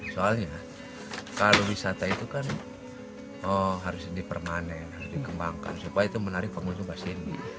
soalnya kalau wisata itu kan harus dipermanen dikembangkan supaya itu menarik pengunjung bahas ini